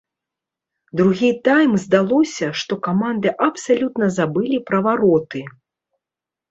Другі тайм здалося, што каманды абсалютна забылі пра вароты.